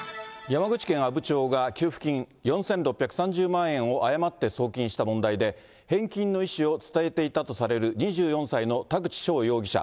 山口県阿武町が給付金４６３０万円を誤って送金した問題で、返金の意思を伝えていたとされる２４歳の田口翔容疑者。